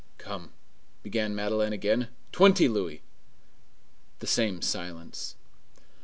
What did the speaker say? "Come," began Madeleine again, "twenty louis." The same silence.